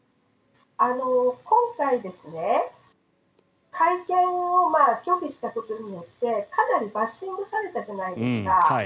今回会見を拒否したことによってかなりバッシングされたじゃないですか。